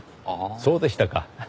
そうでしたか。